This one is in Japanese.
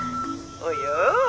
およ。